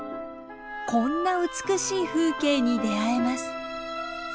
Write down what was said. こんな美しい風景に出会えます。